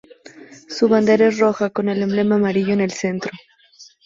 Su bandera es roja con el emblema amarillo en el centro.